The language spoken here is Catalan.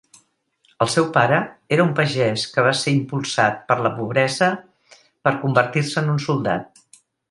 El seu pare era un pagès que va ser impulsat per la pobresa per convertir-se en un soldat.